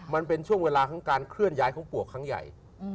มันเป็นช่วงเวลาของการเคลื่อนย้ายของปวกครั้งใหญ่